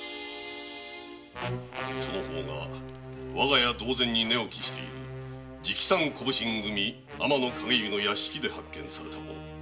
その方が我が家同然に寝起きしておる天野勘解由の屋敷で発見されたもの。